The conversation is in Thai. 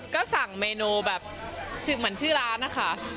ก็สั่งเมนูแบบเหมือนชื่อร้านนะคะ